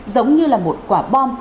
giống như là một quả bom